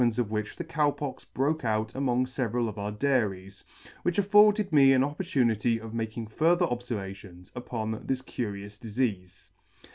ce of which the Cow Pox broke out among feveral of our dairies, which afforded me an opportunity of making further obfervations upon this curious difeafe.